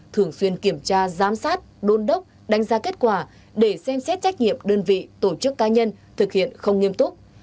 thường xuyên kiểm tra giám sát đôn đốc đánh giá kết quả để xem xét trách nhiệm đơn vị tổ chức ca nhân thực hiện không nghiêm túc